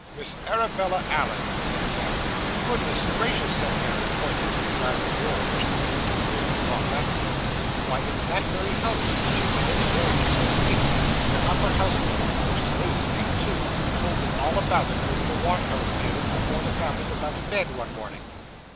'Miss Arabella Allen,' said Sam. 'Goodness gracious!' said Mary, pointing to the garden door which the sulky groom had locked after him. 'Why, it's that very house; she's been living there these six weeks. Their upper house maid, which is lady's maid too, told me all about it over the wash house palin's before the family was out of bed, one mornin'.